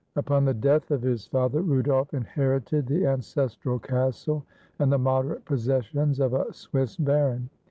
Upon the death of his father, Rudolf inherited the ancestral castle, and the moderate possessions of a Swiss baron.